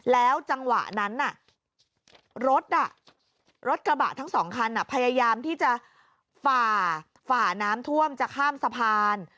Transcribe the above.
แล้วจังหวะนั้นรถกระบะทั้งสองคันพยายามที่จะฝ่าน้ำท่วมจะข้ามสะพาน